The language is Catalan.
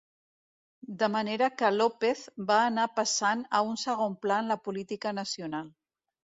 De manera que López va anar passant a un segon pla en la política nacional.